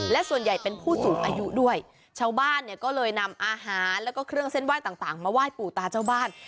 และส่วนใหญ่เป็นผู้สูงอายุด้วยชาวบ้านเนี่ยก็เลยนำอาหารแล้วก็เครื่องเส้นไหว้ต่างมาไหว้ปู่ตาเจ้าบ้าน